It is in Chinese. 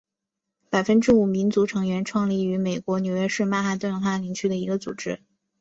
百分之五民族成员创立于美国纽约市曼哈顿哈林区的一个组织。